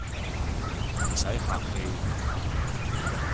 唔使客氣